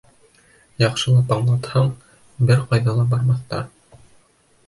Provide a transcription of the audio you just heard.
Яҡшылап аңлатһаң, бер ҡайҙа ла бармаҫтар.